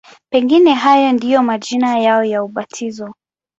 Pengine hayo ndiyo majina yao ya ubatizo.